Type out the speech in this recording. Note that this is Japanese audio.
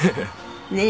ねえ。